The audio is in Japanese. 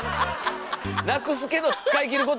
なくすけど使い切ることもあるし！